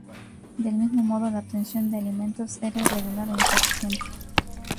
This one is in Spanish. Del mismo modo la obtención de alimentos era irregular e insuficiente.